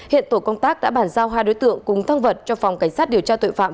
hiện tổ công tác đã bản giao hai đối tượng cùng thăng vật cho phòng cảnh sát điều tra tội phạm